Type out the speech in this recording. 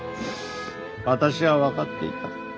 私は分かっていた。